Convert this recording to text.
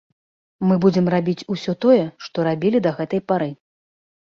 Мы будзем рабіць усё тое, што рабілі да гэтай пары.